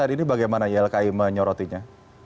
ini bagaimana ylki menyorotinya